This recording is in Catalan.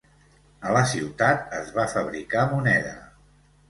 A la ciutat es va fabricar moneda.